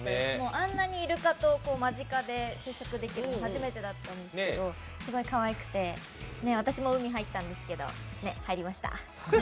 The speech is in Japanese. あんなにイルカと間近で接触できるの初めてだったんですけどすごいかわいくて、私も海に入ったんですけど入りました。